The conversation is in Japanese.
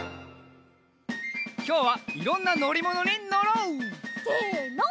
きょうはいろんなのりものにのろう！せの。